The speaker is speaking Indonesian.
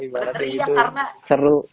ibaratnya itu seru